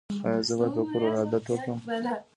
ایا زه باید په کور ولادت وکړم؟